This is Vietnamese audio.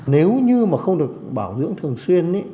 nếu như mà không được bảo dưỡng thường xuyên